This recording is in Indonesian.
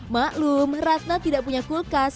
maklum ratna tidak punya kulkas